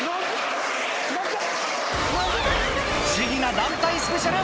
不思議な団体スペシャル。